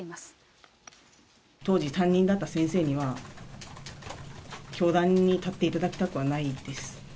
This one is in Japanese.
当時、担任だった先生には、教壇に立っていただきたくはないです。